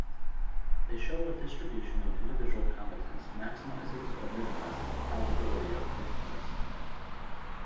They show what distribution of individual competence maximizes or minimizes the probability of correctness.